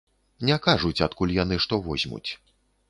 Не кажуць адкуль яны што возьмуць.